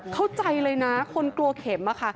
เข้าใจเลยนะคนกลัวเข็ม